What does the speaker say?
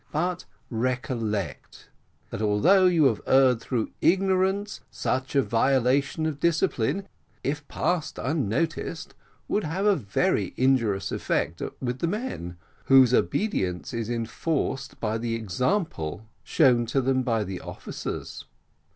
But recollect, that although you have erred through ignorance, such a violation of discipline, if passed unnoticed, will have a very injurious effect with the men, whose obedience is enforced by the example shown to them by the officers.